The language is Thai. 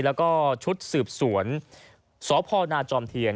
แล้วก็ชุดสืบสวนสพนาจอมเทียน